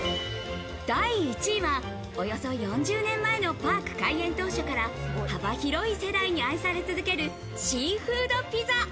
第一位はおよそ４０年前のパーク開園当初から幅広い世代に愛され続けるシーフードピザ。